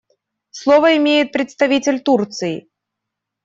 Слово имеет представитель Турции.